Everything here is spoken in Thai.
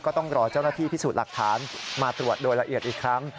ต้องรอเจ้าหน้าที่พิสูจน์หลักฐานมาตรวจโดยละเอียดอีกครั้ง